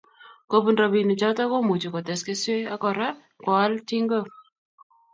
Kobun robinichoto komucho kotes keswek ak Kora koal tingook